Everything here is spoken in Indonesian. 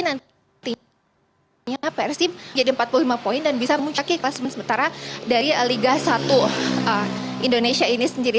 nantinya persib menjadi empat puluh lima poin dan bisa memuncaknya klasmen sementara dari liga satu indonesia ini sendiri